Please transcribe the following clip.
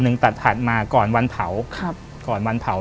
นึงถัดมาก่อนวันเผา